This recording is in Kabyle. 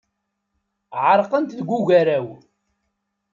Ɣerqent deg ugaraw.